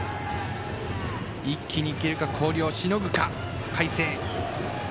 一気にいけるか広陵しのぐか海星。